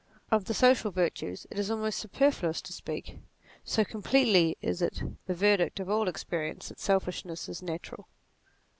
Of the social virtues it is almost superfluous to speak ; so completely is it the verdict of all experience that selfishness is natural.